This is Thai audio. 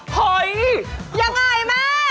เฮ้ยยังไงแม่